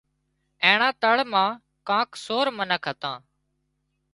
اينڻا تۯ مان ڪانڪ سور منک هتان